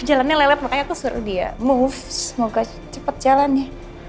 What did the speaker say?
jalannya lelet makanya aku suruh dia move semoga cepet jalannya